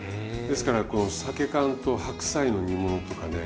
ですからこのさけ缶と白菜の煮物とかね。